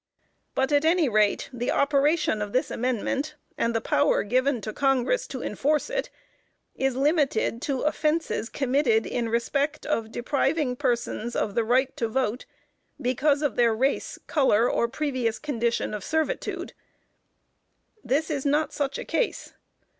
But at any rate, the operation of this amendment, and the power given to Congress to enforce it, is limited to offenses committed in respect of depriving persons of the right to vote because of their "race, color, or previous condition of servitude." This is not such a case.